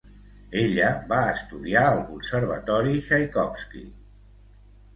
Ella va estudiar al Conservatori Txaikovski.